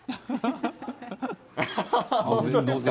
本当ですか？